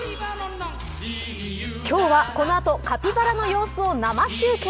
今日は、この後カピバラの様子を生中継。